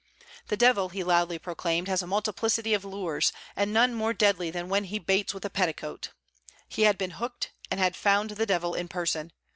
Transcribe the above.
The devil, he loudly proclaimed, has a multiplicity of lures, and none more deadly than when he baits with a petticoat. He had been hooked, and had found the devil in person.